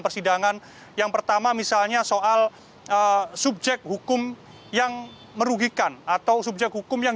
persidangan yang pertama misalnya soal subjek hukum yang merugikan atau subjek hukum yang